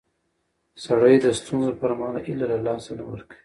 سړی د ستونزو پر مهال هیله له لاسه نه ورکوي